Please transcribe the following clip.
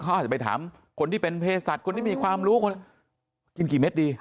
เขาอาจจะไปถามคนที่เป็นเพศสัตว์คนที่มีความรู้คนกินกี่เม็ดดี